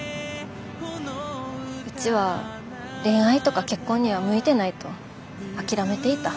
うちは恋愛とか結婚には向いてないと諦めていた。